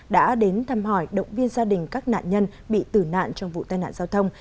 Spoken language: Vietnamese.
đã đến thăm hỏi động viên gia đình các nạn nhân bị tử nạn trong vụ tai nạn giao thông